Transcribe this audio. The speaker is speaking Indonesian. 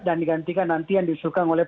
dan digantikan nanti yang diusulkan oleh